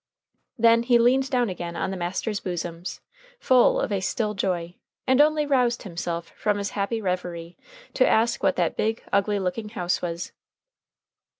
Then he leaned down again on the master's bosom, full of a still joy, and only roused himself from his happy reverie to ask what that big, ugly looking house was.